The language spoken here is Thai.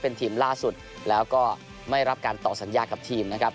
เป็นทีมล่าสุดแล้วก็ไม่รับการต่อสัญญากับทีมนะครับ